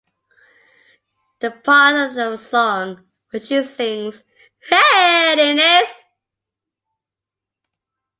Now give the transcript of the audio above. The part of the song where she sings Hey Linus...!